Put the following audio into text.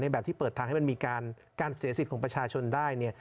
แบบที่เปิดทางให้มันมีการเสียสิทธิ์ของประชาชนได้เนี่ย